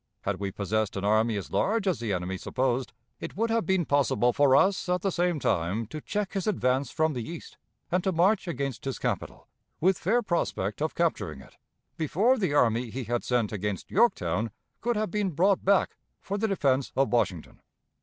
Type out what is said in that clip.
Had we possessed an army as large as the enemy supposed, it would have been possible for us at the same time to check his advance from the East and to march against his capital, with fair prospect of capturing it, before the army he had sent against Yorktown could have been brought back for the defense of Washington.